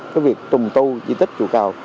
cái việc trùng tu di tích chùa cầu